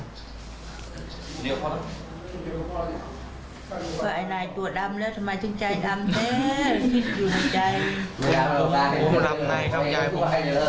ไอ้นายตัวดำแล้วทำไมถึงใจดำแท้คิดอยู่ในใจอยาก